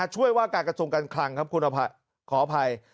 ช่วยว่าการกระทรวงการคลังครับคุณขออภัย